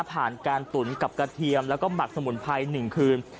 ผ่านการตุ๋นกับกระเทียมแล้วก็หมักสมุนไพร๑คืน